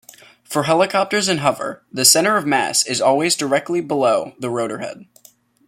For helicopters in hover, the center of mass is always directly below the rotorhead.